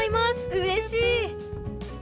うれしい！